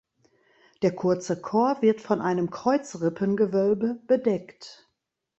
Der kurze Chor wird von einem Kreuzrippengewölbe bedeckt.